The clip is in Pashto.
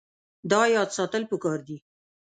دا یاد ساتل پکار دي.